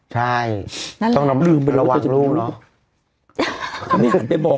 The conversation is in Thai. ใช่ต้องระวังลูกเนาะ